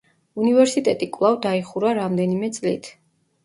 უნივერსიტეტი კვლავ დაიხურა რამდენიმე წლით.